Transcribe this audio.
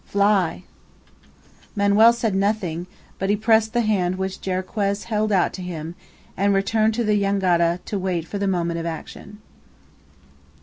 "'Fly'!" Manoel said nothing, but he pressed the hand which Jarriquez held out to him, and returned to the jangada to wait for the moment of action.